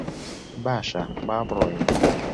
باشە، با بڕۆین.